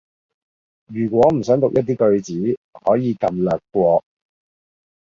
如果唔想讀一啲句子，可以撳略過